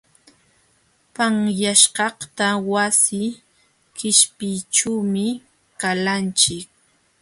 Panyaśhkaqta wasi qishpiyćhuumi qalanchik.